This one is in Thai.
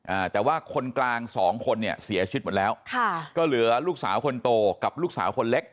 อ่าแต่ว่าคนกลางสองคนเนี่ยเสียชีวิตหมดแล้วค่ะก็เหลือลูกสาวคนโตกับลูกสาวคนเล็ก